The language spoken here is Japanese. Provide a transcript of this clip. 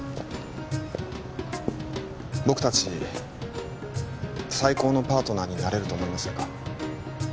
僕達最高のパートナーになれると思いませんか？